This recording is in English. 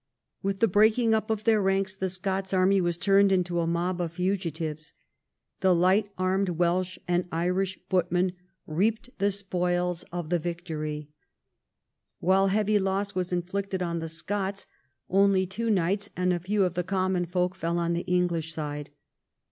With the breaking up of their ranks tlie Scots army was turned into a mob of fugitives. The light armed Welsh and Irish footmen reaped the sjDoils of the xii THE CONQUEST OF SCOTLAND 209 victory. While heavy loss was inflicted on the Scots, only two knights and a few of the "common folk" fell on the English side.